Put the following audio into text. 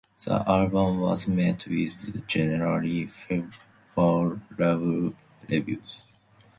The album was met with generally favorable reviews.